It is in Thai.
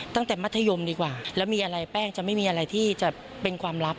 มัธยมดีกว่าแล้วมีอะไรแป้งจะไม่มีอะไรที่จะเป็นความลับ